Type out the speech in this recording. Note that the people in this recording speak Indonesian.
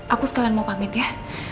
aku sekalian mau pamit ya